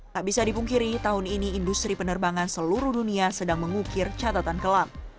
tak bisa dipungkiri tahun ini industri penerbangan seluruh dunia sedang mengukir catatan kelam